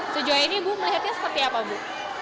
sejua ini ibu melihatnya seperti apa ibu